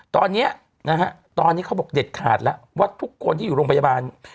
ตอนนี้เขาบอกเด็ดขาดแล้วว่าทุกคนที่อยู่โรงพยาบาล